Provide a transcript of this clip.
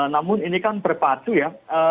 namun ini kan berpacu ya